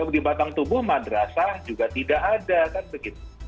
di batang tubuh madrasah juga tidak ada kan begitu